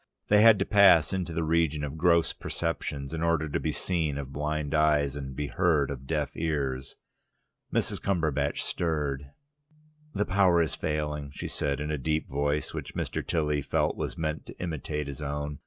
They had to pass into the region of gross perceptions, in order to be seen of blind eyes and be heard of deaf ears. Mrs. Cumberbatch stirred. "The power is failing," she said, in a deep voice, which Mr. Tilly felt was meant to imitate his own.